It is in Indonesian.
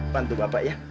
bantu bapak ya